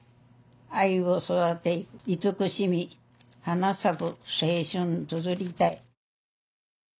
愛を育て慈しみ花咲く青春つづりたい」。